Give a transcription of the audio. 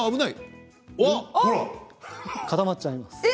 固まっちゃいます。